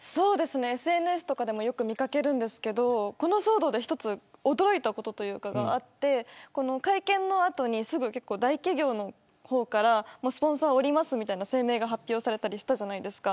ＳＮＳとかでもよく見掛けるんですけどこの騒動で一つ驚いたことがあって会見の後に大企業の方からスポンサーを降りますみたいな声明が発表されたりしたじゃないですか。